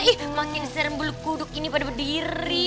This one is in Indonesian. ih makin serem beluk kuduk ini pada berdiri